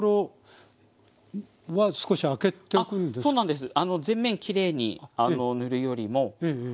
そうなんです。